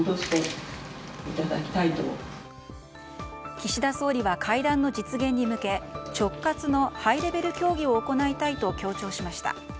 岸田総理は会談の実現に向け直轄のハイレベル協議を行いたいと強調しました。